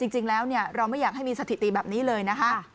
จริงแล้วเราไม่อยากให้มีสถิติแบบนี้เลยนะคะ